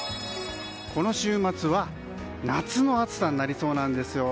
この週末は夏の暑さになりそうです。